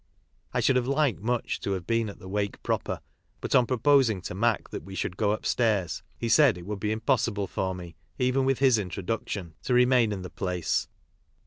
I should have liked much to have been at the wake proper, but on proposing to Mac that we should go upstairs he said it would be impossible for me, even with his introduction, to remain in the place.